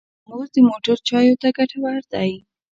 ترموز د موټر چایو ته ګټور دی.